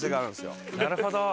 なるほど。